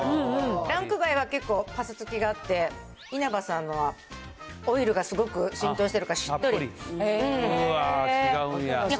ランク外は結構、ぱさつきがあって、いなばさんのはオイルがすごく浸透してるから、うわー、違うんや。